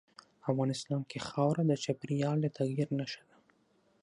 افغانستان کې خاوره د چاپېریال د تغیر نښه ده.